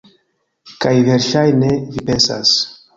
Kaj verŝajne vi pensas: